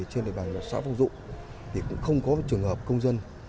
trên địa bàn xã phong dụng không có trường hợp công dân